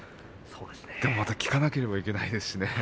でも、また聞かなければいけないですしね。